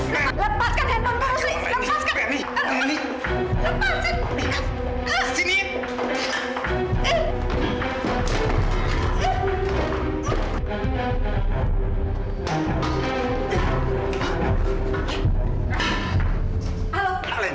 lepaskan handphoneku rizky